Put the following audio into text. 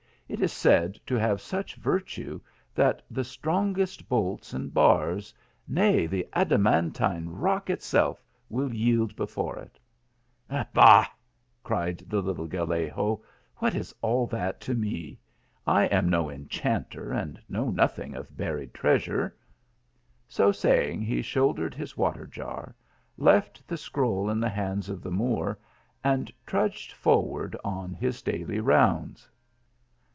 It is said to have such virtue that the strongest bolts and bars, nay the adamantine rock itself will yield before it." " Bah !" cried the little Gallego, "what is all that to me. I am no enchanter, and know nothing of buried treasure." So saying he shouldered his water jar, left the scroll in the hands of the Moor, and trudged forward on his daily rounds.